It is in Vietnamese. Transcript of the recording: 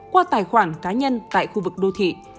qua tài khoản cá nhân tại khu vực đô thị